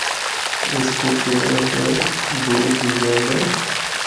اس کو پینڑا تے دور دی گل اے۔